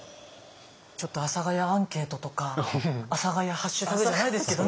ちょっと「阿佐ヶ谷アンケート」とか「阿佐ヶ谷ハッシュタグ」じゃないですけどね